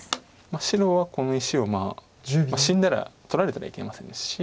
白はこの石を死んだら取られたらいけませんし。